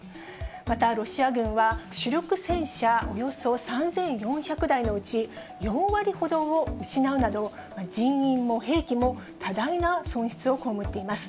またロシア軍は、主力戦車およそ３４００台のうち４割ほどを失うなど、人員も兵器も多大な損失をこうむっています。